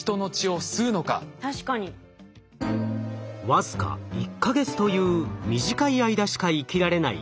僅か１か月という短い間しか生きられない蚊。